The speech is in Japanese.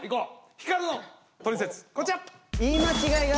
光のトリセツこちら！